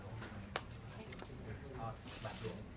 ตั้งแต่สิทธิพิบาล